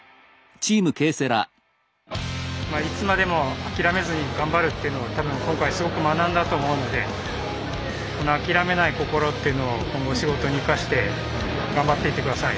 いつまでも諦めずに頑張るっていうのを多分今回すごく学んだと思うのでこの諦めない心っていうのを今後仕事に生かして頑張っていって下さい。